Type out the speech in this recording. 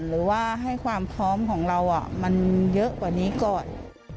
หรือว่าให้ความพร้อมของเรามันเยอะกว่านี้ก่อน